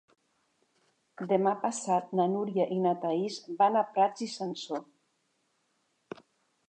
Demà passat na Núria i na Thaís van a Prats i Sansor.